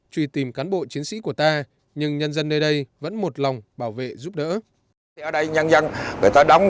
truy tìm cán bộ chiến sĩ của ta nhưng nhân dân nơi đây vẫn một lòng bảo vệ giúp đỡ